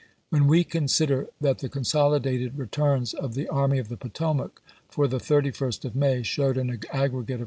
When we consider that the consolidated returns of the Army of the Potomac for the 31st of May showed an ag voi.'